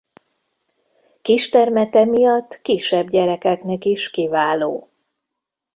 Kis termete miatt kisebb gyerekeknek is kiváló!